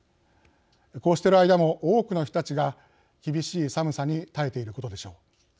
こうしている間も多くの人たちが厳しい寒さに耐えていることでしょう。